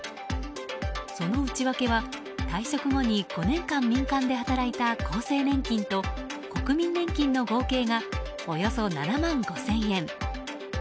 その内訳は退職後に５年間民間で働いた厚生年金と国民年金の合計がおよそ７万５０００円。